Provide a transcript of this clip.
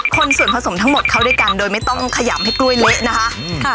คนส่วนผสมทั้งหมดเข้าด้วยกันโดยไม่ต้องขยำให้กล้วยเละนะคะ